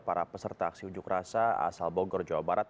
para peserta aksi unjuk rasa asal bogor jawa barat